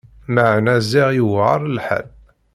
Meɛna ziɣ i yuɛer lḥal!